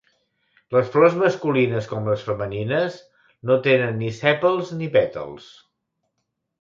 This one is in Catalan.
Les flors masculines com les femenines no tenen ni sèpals i ni pètals.